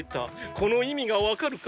この意味がわかるか？